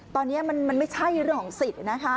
ตอนนี้มันไม่ใช่เรื่องของสิทธิ์นะคะ